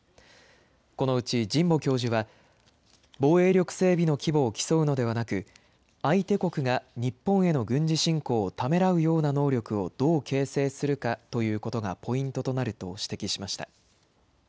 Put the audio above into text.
このうち神保教授は、防衛力整備の規模を競うのではなく、相手国が日本への軍事侵攻をためらうような能力をどう形成するかということがポイントとなると指摘しました。